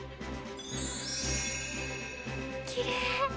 きれい。